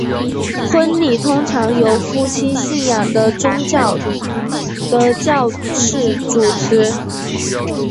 婚礼通常由夫妻信仰的宗教的教士主持。